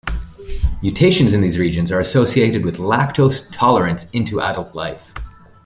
Mutations in these regions are associated with lactose tolerance into adult life.